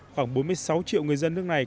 khoảng bốn mươi sáu triệu người dân nước này